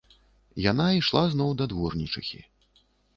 Яна ішла зноў да дворнічыхі.